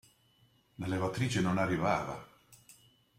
La levatrice non arrivava.